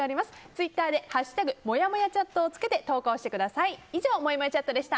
ツイッターで「＃もやもやチャット」をつけて投稿してください。